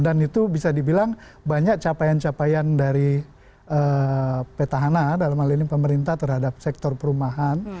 dan itu bisa dibilang banyak capaian capaian dari petahana dalam alihannya pemerintah terhadap sektor perumahan